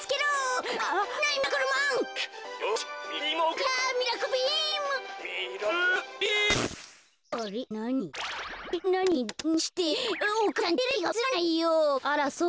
あらそう？